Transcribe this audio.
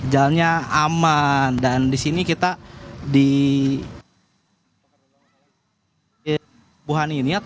jalannya aman dan di sini kita di